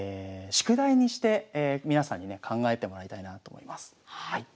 宿題にして皆さんにね考えてもらいたいなと思います。